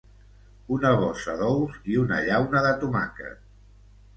Una bossa d'ous i una llauna de tomàquet.